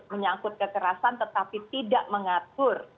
menyangkut kekerasan tetapi tidak mengatur